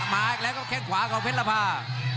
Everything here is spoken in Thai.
มาอีกแล้วก็แข้งขวาของเพชรภา